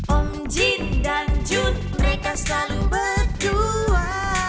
om jin dan jun mereka selalu berdua